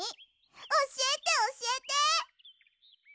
おしえておしえて！